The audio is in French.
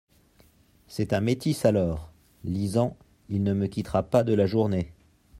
C’est un métis alors ! lisant « il ne me quittera pas de la journée.